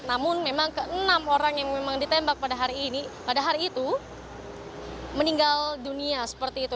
namun memang ke enam orang yang memang ditembak pada hari ini pada hari itu meninggal dunia seperti itu